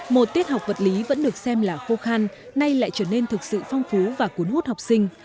một tiết học vật lý vẫn được xem là khô khan nay lại trở nên thực sự phong phú và cuốn hút học sinh